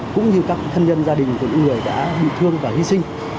cũng như các thân nhân gia đình của những người đã bị thương và hy sinh